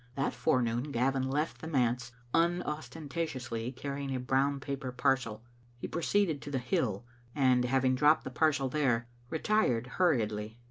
That forenoon Gavin left the manse unostentatiously carrying a brown paper parcel. He proceeded to the hill, and having dropped the parcel there, retired hur riedly.